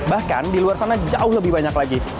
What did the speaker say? bahkan di luar sana jauh lebih banyak lagi